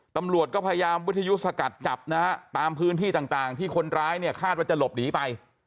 ตำรวจก็พยายามวิทยุสกัดจับนะฮะตามพื้นที่ต่างที่คนร้ายเนี่ยคาดว่าจะหลบหนีไป